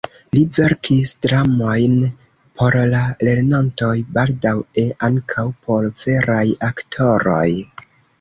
Li verkis dramojn por la lernantoj, baldaŭe ankaŭ por veraj aktoroj.